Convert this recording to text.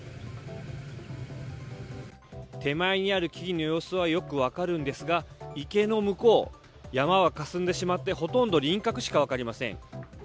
手前にある木々の様子はよく分かるんですが池の向こう、山はかすんでしまってほとんど輪郭しか分かりません。